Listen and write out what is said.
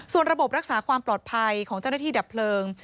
ส่วนระบบรักษาความปลอดภัยของเจ้าหน้าที่ดับเพลิง